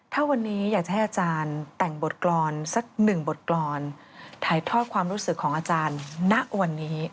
ถ้าวันนี้อยากจะให้อาจารย์แต่งบทกรรมสักหนึ่งบทกรรมถ่ายทอดความรู้สึกของอาจารย์ณวันนี้